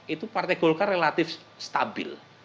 itu partai golkar relatif stabil